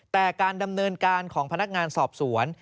แต่การดำเนินการของพนักงานสอบสวน